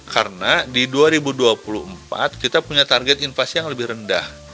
karena di dua ribu dua puluh empat kita punya target inflasi yang lebih rendah